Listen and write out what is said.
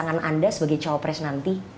untuk menemukan pasangan anda sebagai cawa pres nanti